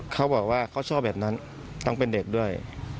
เขาบอกว่าเขาชอบแบบนั้นต้องเป็นเด็กด้วย